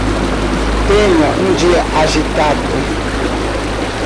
Tenha um dia agitado?